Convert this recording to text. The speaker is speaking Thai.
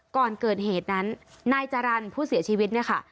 ก่อนเกิดเหตุนั้นนายจรรย์ผู้เสียชีวิตเนี่ยค่ะ